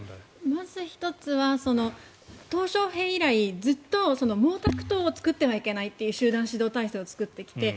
まず１つはトウ・ショウヘイ以来ずっと毛沢東を作ってはいけないという集団指導体制を作ってきて。